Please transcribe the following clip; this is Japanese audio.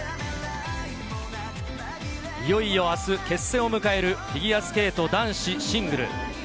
いよいよ明日決戦を迎えるフィギュアスケート男子シングル。